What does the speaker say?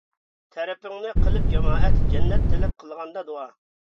تەرىپىڭنى قىلىپ جامائەت، جەننەت تىلەپ قىلغاندا دۇئا.